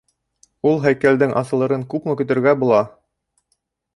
Ул һәйкәлдең асылырын күпме көтөргә була?